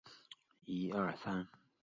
莱斯卡马泽人口变化图示